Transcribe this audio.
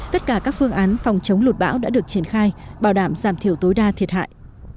tất cả các phương án phòng chống lụt bão đã được triển khai bảo đảm giảm thiểu tối đa thiệt hại